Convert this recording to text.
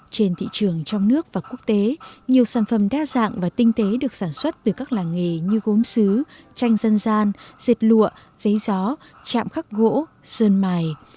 trên thị trường trong nước và quốc tế nhiều sản phẩm đa dạng và tinh tế được sản xuất từ các làng nghề như gốm xứ tranh dân gian dệt lụa giấy gió chạm khắc gỗ sơn mài